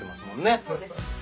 そうです。